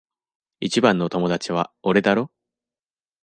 一番の友達は俺だろ？